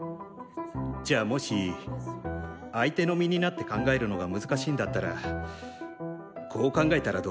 じゃ、もし相手の身になって考えるのが難しいんだったらこう考えたらどう？